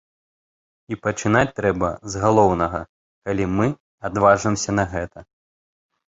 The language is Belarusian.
І пачынаць трэба з галоўнага, калі мы адважымся на гэта.